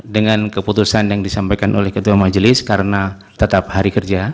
dengan keputusan yang disampaikan oleh ketua majelis karena tetap hari kerja